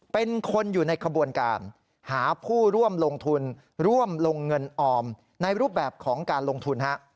เป็นคนอยู่ในขบวนการหาผู้ร่วมลงทุนร่วมลงเงินออมในรูปแบบของการลงทุน